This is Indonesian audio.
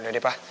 udah deh pak